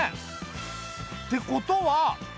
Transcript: ってことは。